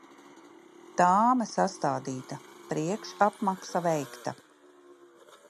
Tāme sastādīta, priekšapmaksa veikta.